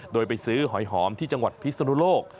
โดยไปซื้อหอยหอมที่จังหวัดพิศนุโลก